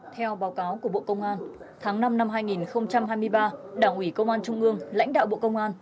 theo báo cáo của bộ công an tháng năm năm hai nghìn hai mươi ba đảng ủy công an trung ương lãnh đạo bộ công an